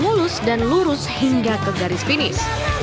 lanjut lulus dan lurus hingga ke garis finis